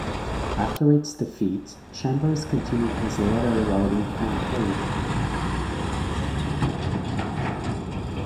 After its defeat, Chambers continued his letter writing campaign.